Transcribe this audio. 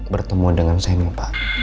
bertemu dengan semi pak